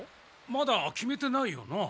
まだ決めてないよな。